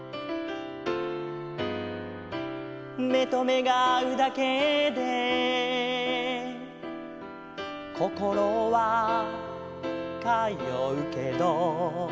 「めとめがあうだけで」「こころはかようけど」